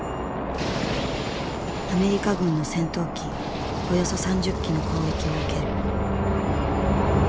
アメリカ軍の戦闘機およそ３０機の攻撃を受ける。